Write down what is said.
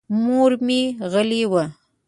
مور مې غلې وه.